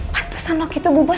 patesan waktu itu bu bos